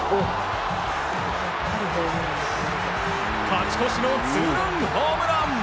勝ち越しのツーランホームラン。